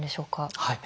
はい。